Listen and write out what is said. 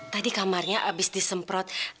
tadi kamarnya abis disemprot